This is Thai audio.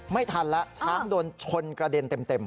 ไม่ทันแล้วช้างโดนชนกระเด็นเต็ม